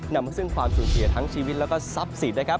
นำมาซึ่งความสูญเสียทั้งชีวิตแล้วก็ทรัพย์สินนะครับ